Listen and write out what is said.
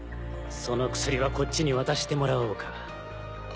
その薬はこっちに渡してもらおうか。